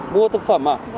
mua thực phẩm à